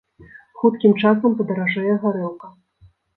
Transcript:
Хуткім часам падаражэе гарэлка.